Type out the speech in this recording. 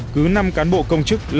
cứ năm cán bộ công chức